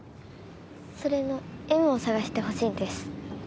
それのＭを捜してほしいんです。